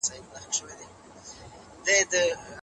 یو دریم ډول هم شته.